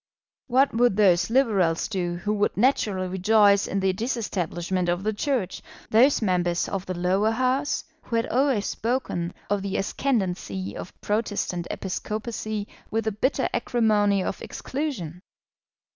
What would those Liberals do who would naturally rejoice in the disestablishment of the Church, those members of the Lower House, who had always spoken of the ascendancy of Protestant episcopacy with the bitter acrimony of exclusion?